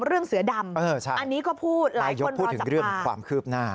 เรื่องเสือดำอันนี้ก็พูดหลายยกพูดถึงเรื่องความคืบหน้า